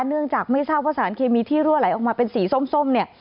เนื่องจากไม่ทราบว่าสารเคมีที่รั่วไหลออกมาเป็นสีส้มเนี่ย